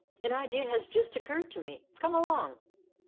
An idea has just occurred to me. Come along.